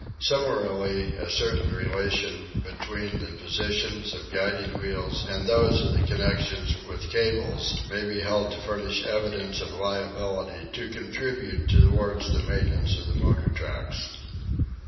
Similarly a certain relation between the positions of guiding wheels and those of the connections with cables may be held to furnish evidence of liability to contribute towards the maintenance of motor tracks.